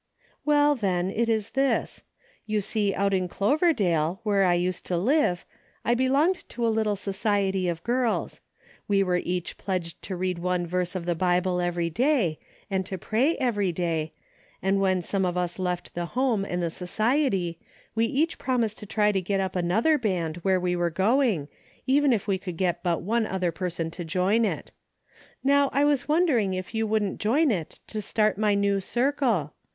" Well then, it is this. You see out in Clov erdale, where I used to live, I belonged to a little society of girls. We were each pledged to read one verse of the Bible every day, and to pray every day, and when some of us left the home and the society, we each promised to try and get up another band where we were going, even if we could get but one other per son to join it. Now I was wondering if you wouldn't join it to start my new circle